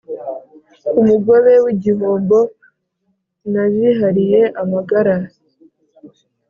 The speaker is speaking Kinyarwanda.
Ku mugobe w' igihombo nazihariye amagara,